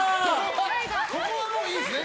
ここはもういいんですね。